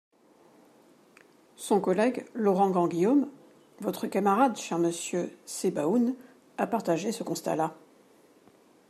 Son collègue Laurent Grandguillaume, votre camarade, cher monsieur Sebaoun, a partagé ce constat-là.